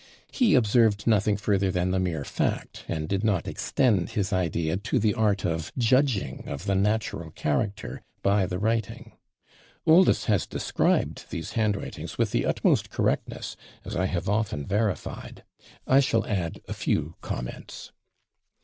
He observed nothing further than the mere fact, and did not extend his idea to the art of judging of the natural character by the writing. Oldys has described these handwritings with the utmost correctness, as I have often verified. I shall add a few comments.